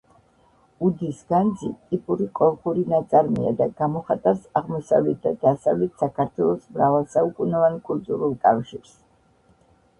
უდის განძი ტიპური კოლხური ნაწარმია და გამოხატავს აღმოსავლეთ და დასავლეთ საქართველოს მრავალსაუკუნოვან კულტურულ კავშირს.